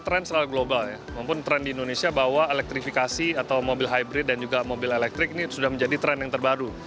tren secara global ya maupun tren di indonesia bahwa elektrifikasi atau mobil hybrid dan juga mobil elektrik ini sudah menjadi tren yang terbaru